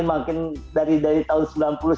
ini sangat bagus sekali